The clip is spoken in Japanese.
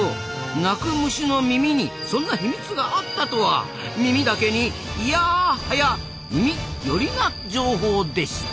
鳴く虫の耳にそんな秘密があったとは耳だけにいやはや耳寄りな情報でした！